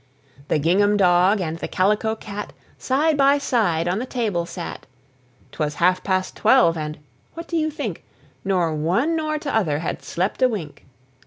The gingham dog and the calico cat Side by side on the table sat; 'Twas half past twelve, and (what do you think!) Nor one nor t'other had slept a wink!